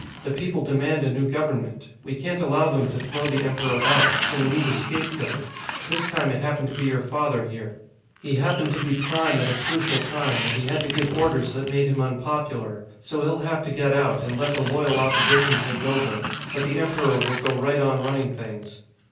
The people demand a new Government. We can't allow them to throw the Emperor out, so we need a scapegoat. This time, it happened to be your father, here. He happened to be Prime at a crucial time, and he had to give orders that made him unpopular. So he'll have to get out, and let the Loyal Opposition take over. But the Emperor will go right on running things.